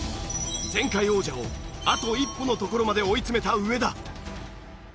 前回王者をあと一歩のところまで追い詰めた上田。